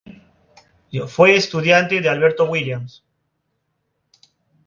Fue estudiante de Alberto Williams.